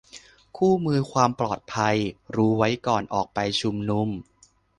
คู่มือความปลอดภัย : รู้ไว้ก่อนออกไปชุมนุม